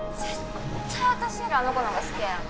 絶対私よりあの子の方が好きやよな